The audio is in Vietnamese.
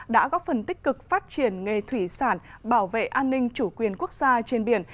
đã góp phần tích cực phát triển nghề thủy sản bảo vệ an ninh chủ quyền quốc gia trên biển